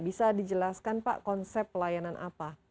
bisa dijelaskan pak konsep pelayanan apa